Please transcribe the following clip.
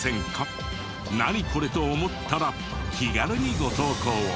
「ナニコレ？」と思ったら気軽にご投稿を。